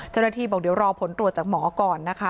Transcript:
เจ้าหน้าที่บอกเดี๋ยวรอผลตรวจจากหมอก่อนนะคะ